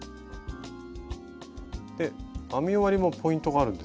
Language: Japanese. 編み終わりもポイントがあるんですか？